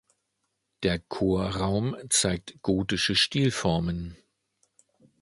Der Chorraum zeigt gotische Stilformen.